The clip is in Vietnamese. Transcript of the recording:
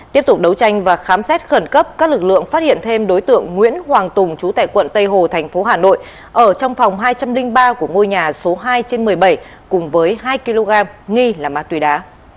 tiếp tục đấu tranh và khám xét khẩn cấp các lực lượng phát hiện thêm đối tượng nguyễn hoàng tùng chú tại quận tây hồ thành phố hà nội ở trong phòng hai trăm linh ba của ngôi nhà số hai trên một mươi bảy cùng với hai kg nghi là ma túy đá